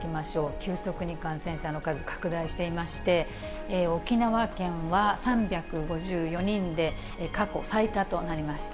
急速に感染者の数、拡大していまして、沖縄県は３５４人で、過去最多となりました。